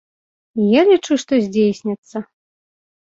Я лічу, што здзейсняцца.